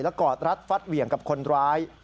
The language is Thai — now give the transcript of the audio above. กอดรัดฟัดเหวี่ยงกับคนร้าย